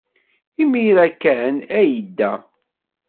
Imir-a kan ay yedda.